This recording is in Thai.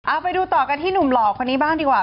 เอาไปดูต่อกันที่หนุ่มหล่อคนนี้บ้างดีกว่า